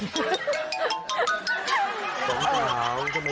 สงสัย